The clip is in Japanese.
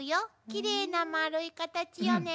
きれいな丸いカタチよね。